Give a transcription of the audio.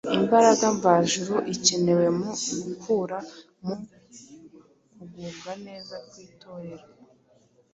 imbaraga mvajuru ikenewe mu gukura, mu kugubwa neza kw’Itorero,